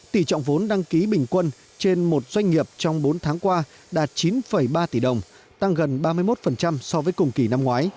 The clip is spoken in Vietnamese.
tỷ trọng vốn đăng ký bình quân trên một doanh nghiệp trong bốn tháng qua đạt chín ba tỷ đồng tăng gần ba mươi một so với cùng kỳ năm ngoái